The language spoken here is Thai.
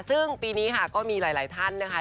ซึ่งปีนี้ค่ะก็มีหลายท่านนะคะ